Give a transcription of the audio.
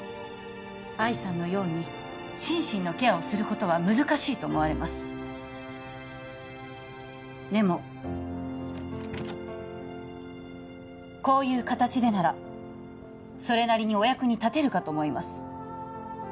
愛さんのように心身のケアをすることは難しいと思われますでもこういう形でならそれなりにお役に立てるかと思います